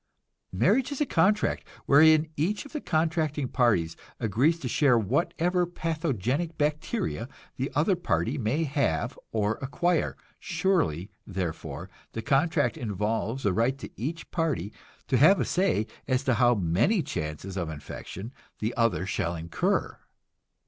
Marriage is a contract wherein each of the contracting parties agrees to share whatever pathogenic bacteria the other party may have or acquire; surely, therefore, the contract involves a right of each party to have a say as to how many chances of infection the other shall incur.